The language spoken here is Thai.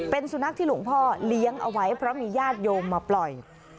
เป็นสุนัขที่หลวงพ่อเลี้ยงเอาไว้เพราะมีญาติโยมมาปล่อย